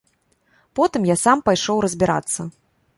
Потым я сам пайшоў разбірацца.